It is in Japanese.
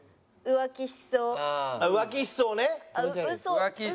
浮気しそうだし。